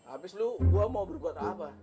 abis lu gue mau berbuat apa